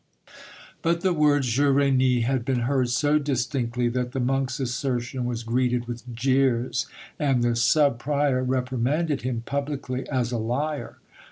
But the words "Je renie" had been heard so distinctly that the monk's assertion was greeted with jeers, and the sub prior reprimanded him publicly as a liar.